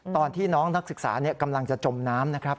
ตอนที่น้องนักศึกษากำลังจะจมน้ำนะครับ